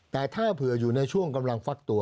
แต่ถ้าเผื่ออยู่ในช่วงกำลังฟักตัว